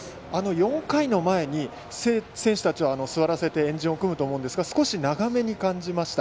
４回の前に選手たちを座らせて円陣を組んだと思うんですが長めに感じました。